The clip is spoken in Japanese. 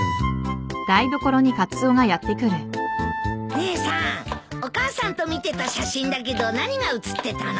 姉さんお母さんと見てた写真だけど何が写ってたの？